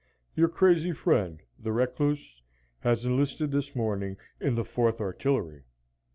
Your crazy friend, the recluse, has enlisted this morning in the Fourth Artillery.